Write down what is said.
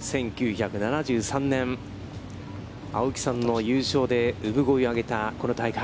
１９７３年、青木さんの優勝で産声を上げたこの大会。